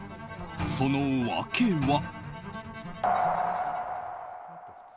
その訳は。